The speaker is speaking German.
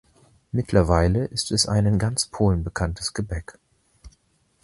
Mittlerweile ist es ein in ganz Polen bekanntes Gebäck.